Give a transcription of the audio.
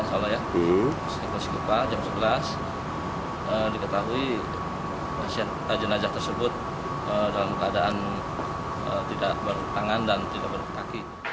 sektor cikupa jam sebelas diketahui pasien jenazah tersebut dalam keadaan tidak bertangan dan tidak bertaki